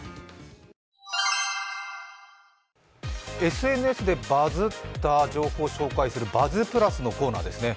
ＳＮＳでバズった情報を紹介する「バズプラス」のコーナーですね。